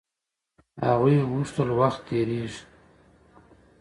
هغوی غوښتل وخت و تېريږي.